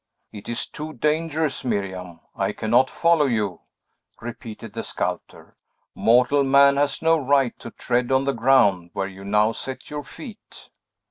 "It is too dangerous, Miriam! I cannot follow you!" repeated the sculptor. "Mortal man has no right to tread on the ground where you now set your feet."